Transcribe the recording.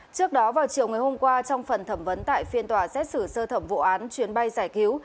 trước đó vào chiều ngày hôm qua trong phần thẩm vấn tại phiên tòa xét xử sơ thẩm vụ án chuyến bay giải cứu